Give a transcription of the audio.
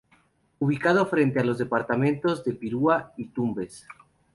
Ubicado frente a los departamentos de Piura y Tumbes.